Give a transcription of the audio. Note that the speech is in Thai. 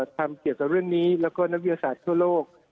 ทำเกี่ยวกับเรื่องนี้แล้วก็นักวิทยาศาสตร์ทั่วโลก